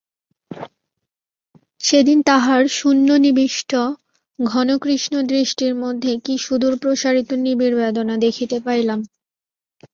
সেদিন তাহার শূন্যনিবিষ্ট ঘনকৃষ্ণ দৃষ্টির মধ্যে কী সুদূরপ্রসারিত নিবিড় বেদনা দেখিতে পাইলাম।